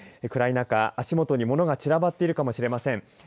暗い中、足元に物が散らばっているかもしれません。